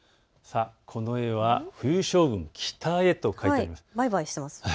この絵は冬将軍北へと描いてあります。